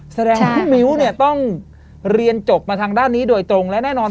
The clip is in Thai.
แสดงว่าพี่มิ้วเนี่ยต้องเรียนจบมาทางด้านนี้โดยตรงและแน่นอน